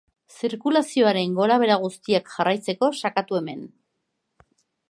Zirkulazioaren gorabehera guztiak jarraitzeko sakatu hemen.